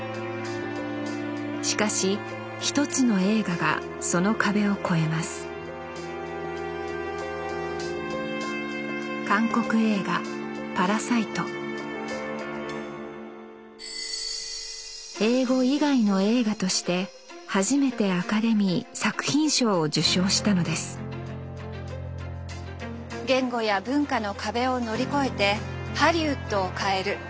しかし一つの映画がその壁を越えます英語以外の映画として初めてアカデミー作品賞を受賞したのです言語や文化の壁を乗り越えてハリウッドを変える。